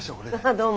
どうも。